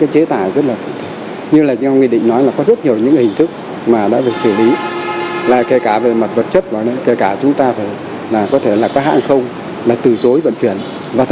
cái đấy là thứ rất là quan trọng